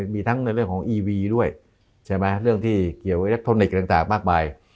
มีทั้งในเรื่องของอีวีด้วยใช่ไหมเรื่องที่เกี่ยวอิเล็กทรอนิกส์ต่างมากมาย